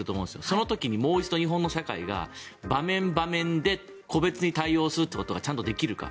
その時にもう一度、日本の社会が場面場面で個別に対応することができるか。